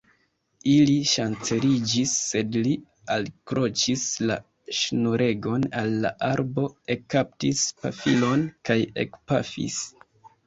Ili ŝanceliĝis, sed li alkroĉis la ŝnuregon al la arbo, ekkaptis pafilon kaj ekpafis.